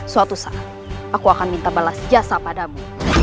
suatu saat aku akan minta balas jasa padamu